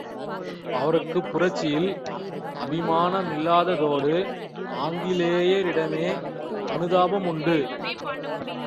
அவருக்குப் புரட்சியில் அபிமானமில்லாததோடு ஆங்கிலேயரிடமே அனுதாபமுண்டு.